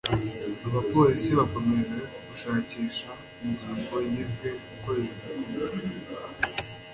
abapolisi bakomeje gushakisha ingingo yibwe ukwezi kumwe